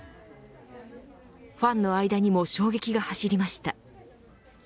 ファンの間にも衝撃が走りました。